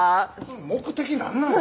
目的何なん？